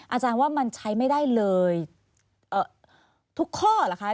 อาจารย์ว่ามันใช้ไม่ได้เลยทุกข้อเหรอคะ